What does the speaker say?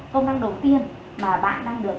công năng đầu tiên là bạn đang được